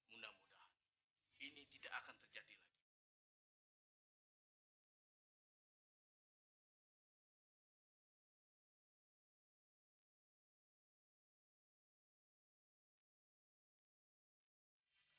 mudah mudahan ini tidak akan terjadi lagi